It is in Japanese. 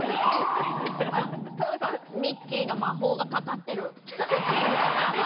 ミッキーの魔法がかかっている。